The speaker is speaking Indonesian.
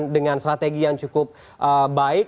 dengan strategi yang cukup baik